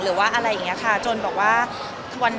หรือว่าอะไรอย่างนี้ค่ะจนแบบว่า